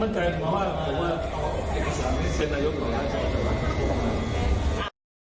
มั่นใจมากผมว่าเป็นนายกหรอกนะ